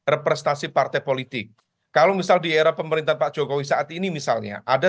representasi partai politik kalau misal di era pemerintahan pak jokowi saat ini misalnya ada